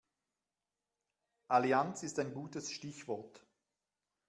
Allianz ist ein gutes Stichwort.